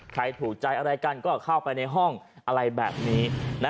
ถูกใจอะไรกันก็เข้าไปในห้องอะไรแบบนี้